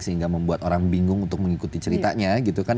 sehingga membuat orang bingung untuk mengikuti ceritanya gitu kan